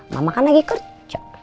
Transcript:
mama kan lagi kerja